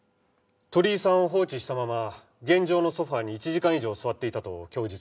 鳥居さんを放置したまま現場のソファに１時間以上座っていたと供述しています。